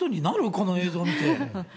この映像見て。